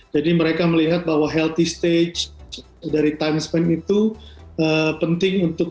mereka melihat bahwa healthy stage dari times span itu penting untuk